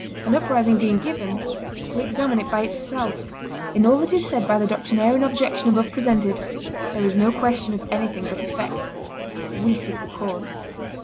An uprising being given, we examine it by itself. In all that is said by the doctrinarian objection above presented, there is no question of anything but effect, we seek the cause.